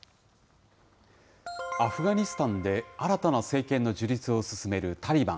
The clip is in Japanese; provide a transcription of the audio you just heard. アフガニスタンで新たな政権の樹立を進めるタリバン。